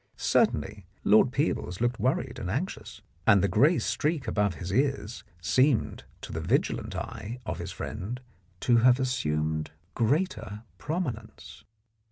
Certainly Lord Peebles looked worried and anxious, and the grey streak above his ears seemed to the vigilant eye of his friend to have assumed greater prominence.